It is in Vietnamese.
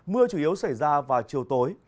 mưa chủ yếu xảy ra vào chiều tối